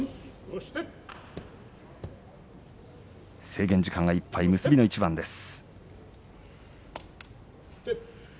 制限時間いっぱい結びの一番です。